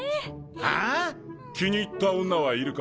はあ⁉気に入った女はいるか？